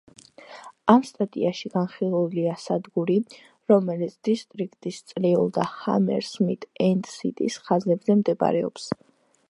ამ სტატიაში განხილულია სადგური, რომელიც დისტრიქტის, წრიულ და ჰამერსმით-ენდ-სიტის ხაზებზე მდებარეობს.